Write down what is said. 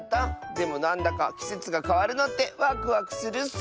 でもなんだかきせつがかわるのってワクワクするッス。